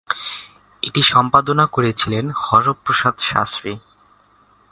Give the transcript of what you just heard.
এটি সম্পাদনা করেছিলেন হরপ্রসাদ শাস্ত্রী।